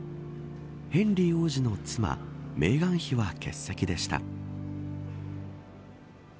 ヘンリー王子の妻メーガン妃は欠席でした。